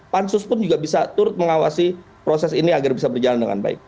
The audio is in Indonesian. pansus pun juga bisa turut mengawasi proses ini agar bisa berjalan dengan baik